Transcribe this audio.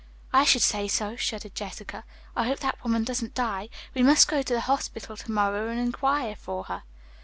"I should say so," shuddered Jessica. "I hope that woman doesn't die. We must go to the hospital to morrow and inquire for her."